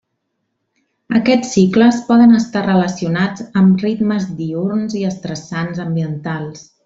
Aquests cicles poden estar relacionats amb ritmes diürns i estressants ambientals.